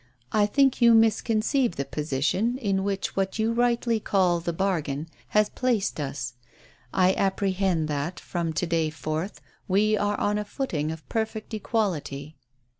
"I think you misconceive the position in which what you rightly call the bargain has placed us. I apprehend that, from to day forth, we are on a footing of perfect equality."